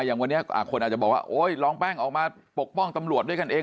อย่างวันนี้คนอาจจะบอกว่าโอ๊ยลองแป้งออกมาปกป้องตำรวจด้วยกันเอง